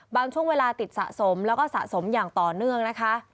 ช่วงเวลาติดสะสมแล้วก็สะสมอย่างต่อเนื่องนะคะ